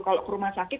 kalau ke rumah sakit